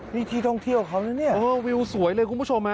นี่ทีท่าเที่ยวครับ